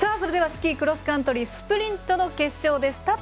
ではスキー・クロスカントリースプリントの決勝です。